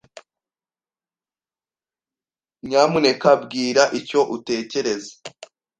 Nyamuneka mbwira icyo utekereza.